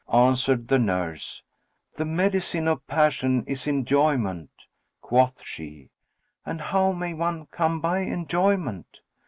Answered the nurse, "The medicine of passion is enjoyment" Quoth she, "And how may one come by enjoyment?"